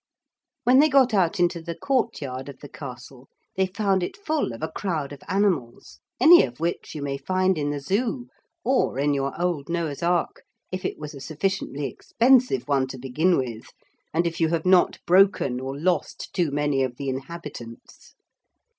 When they got out into the courtyard of the castle, they found it full of a crowd of animals, any of which you may find in the Zoo, or in your old Noah's ark if it was a sufficiently expensive one to begin with, and if you have not broken or lost too many of the inhabitants.